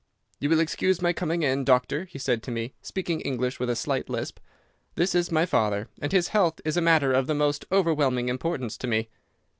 "'You will excuse my coming in, doctor,' said he to me, speaking English with a slight lisp. 'This is my father, and his health is a matter of the most overwhelming importance to me.